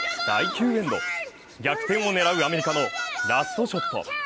第９エンド逆転を狙うアメリカのラストショット。